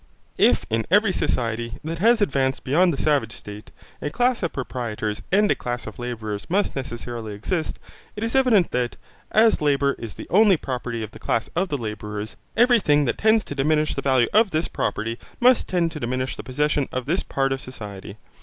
If in every society that has advanced beyond the savage state, a class of proprietors and a class of labourers must necessarily exist, it is evident that, as labour is the only property of the class of labourers, every thing that tends to diminish the value of this property must tend to diminish the possession of this part of society.